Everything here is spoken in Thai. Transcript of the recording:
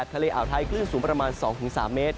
อ่าวไทยคลื่นสูงประมาณ๒๓เมตร